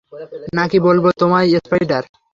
নাকি বলবো তোমায় স্পাইডার?